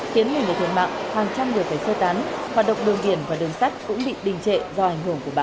khiến người thiệt mạng hoàn trang được phải sơ tán hoạt động đường biển và đường sắt cũng bị đình trệ do ảnh hưởng của bão